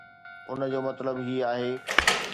ان جو مطلب هي آهي